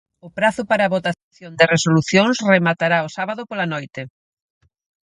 O prazo para a votación de resolucións rematará o sábado pola noite.